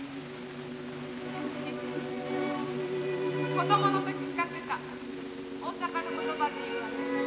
子供の時使ってた大阪の言葉で言うわね。